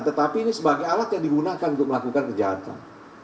tetapi ini sebagai alat yang digunakan untuk melakukan kejahatan